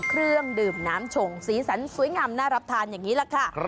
เครื่องดื่มน้ำชงสีสันสวยงามน่ารับทานอย่างนี้แหละค่ะ